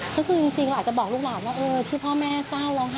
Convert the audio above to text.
ก็คือจริงเราอาจจะบอกลูกหลานว่าที่พ่อแม่เศร้าร้องไห้